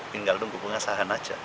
tinggal tunggu pengesahan aja